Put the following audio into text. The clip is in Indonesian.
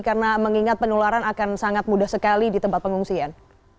karena mengingat penularan akan sangat mudah sekali di tempat pengungsian